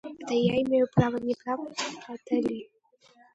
Это я имею право, не правда ли?